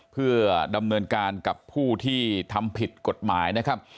เพื่อดำเนินการกับผู้ที่ทำผิดกฎหมายนะครับ